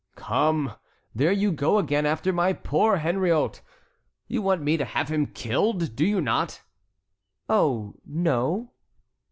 "Come, there you go again after my poor Henriot! You want me to have him killed; do you not?" "Oh, no."